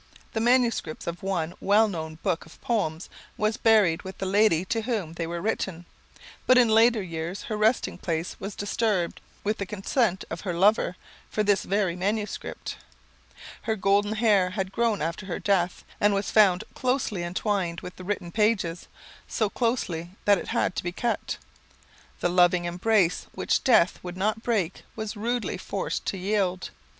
The manuscript of one well known book of poems was buried with the lady to whom they were written, but in later years her resting place was disturbed, with the consent of her lover, for this very manuscript. Her golden hair had grown after her death, and was found closely entwined with the written pages so closely that it had to be cut. The loving embrace which Death would not break was rudely forced to yield.